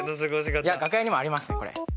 いや楽屋にもありますねこれ。